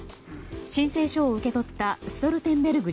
申請書を受け取ったストルテンベルグ